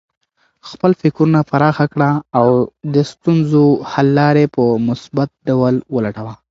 خپل فکرونه پراخه کړه او د ستونزو حل لارې په مثبت ډول ولټوه.